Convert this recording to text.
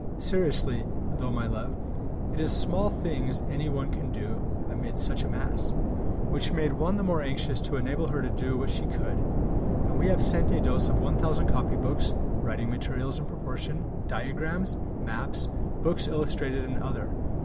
Seriously tho', my love, it is small things any one can do amid such a mass, which made one the more anxious to enable her to do what she could, and we have sent a dose of 1000 copybooks, writing materials in proportion, Diagrams, Maps, books illustrated and other.